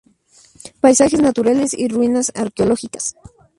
Paisajes naturales y ruinas arqueológicas.